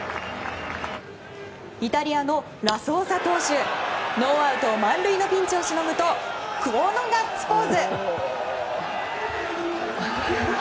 イタリアのラソーサ投手ノーアウト満塁のピンチをしのぐとこのガッツポーズ。